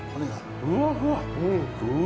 ふわふわ！